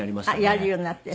やるようになって。